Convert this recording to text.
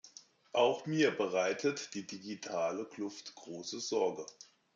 Auch mir bereitet die digitale Kluft große Sorge.